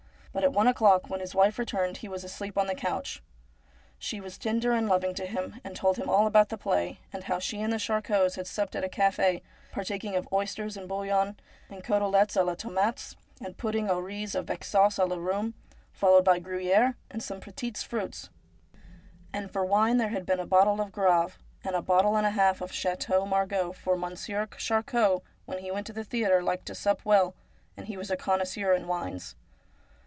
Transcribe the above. But at one o'clock, when his wife returned, he was asleep on the couch. She was tender and loving to him, and told him all about the play, and how she and the Charcots had supped at a cafe, partaking of oysters and bouillon, and cotelettes a la tomates, and pudding au riz avec sauce a la rhum, followed by gruyere, and some petits fruits, and for wine there had been a bottle of Graves and a bottle and a half of Chateau Margaux, for Monsieur Charcot, when he went to the theatre, liked to sup THE CRIME OP THE RUE AUEER 30 i Well, and he was a connoisseur in wines.